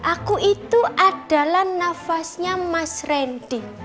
aku itu adalah nafasnya mas randy